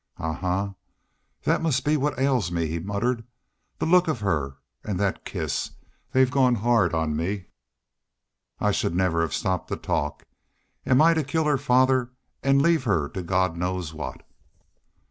"Ahuh! That must be what ails me," he muttered. "The look of her an' that kiss they've gone hard me. I should never have stopped to talk. An' I'm to kill her father an' leave her to God knows what."